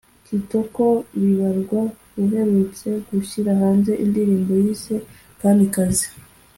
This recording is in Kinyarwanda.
Kitoko Bibarwa uherutse gushyira hanze indirimbo yise ’Kamikazi